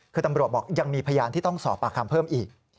คือตำรวจบอกยังมีพยานที่ต้องสอบปากคำเพิ่มอีก